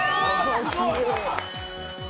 すごい！